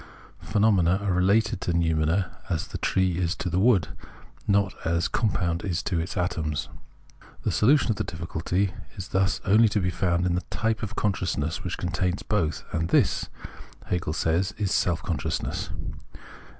Phenomena are related to noumena as the trees to the wood, not as a compound to its atoms. The solution of the diffi culty is thus only to be found in the type of consciousness which contains both — and this, Hegel says, is self consciousness.